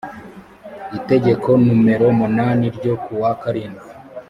itegeko numero munani ryo kuwa karindwi